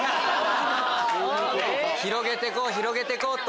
広げてこう広げてこう！